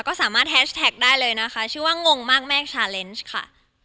ก็สามารถแฮชแท็กได้เลยนะคะชื่อว่างงมากแม่ชาเลนส์ค่ะ